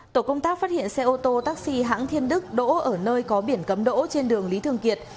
tổ công tác phát hiện xe ô tô taxi hãng thiên đức đỗ ở nơi có biển cấm đỗ trên đường lý thường kiệt